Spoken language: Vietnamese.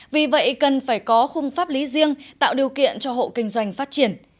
vì vậy cần phải có khung pháp lý riêng tạo điều kiện cho hộ kinh doanh phát triển